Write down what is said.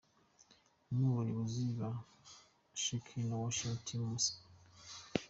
Umwe mu bayobozi ba Shekinah worship team Masoro.